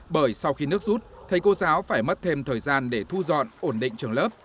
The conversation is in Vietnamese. bởi sau khi nước rút thầy cô giáo phải mất thêm thời gian để thu dọn ổn định trường lớp